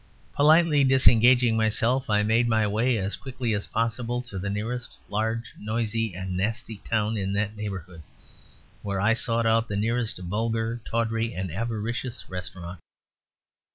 Politely disengaging myself, I made my way as quickly as possible to the nearest large, noisy, and nasty town in that neighbourhood, where I sought out the nearest vulgar, tawdry, and avaricious restaurant.